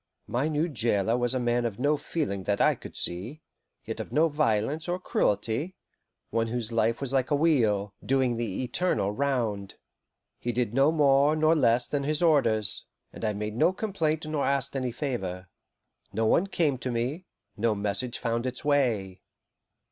My new jailer was a man of no feeling that I could see, yet of no violence or cruelty; one whose life was like a wheel, doing the eternal round. He did no more nor less than his orders, and I made no complaint nor asked any favour. No one came to me, no message found its way.